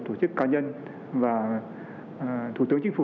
tổ chức ca nhân và thủ tướng chính phủ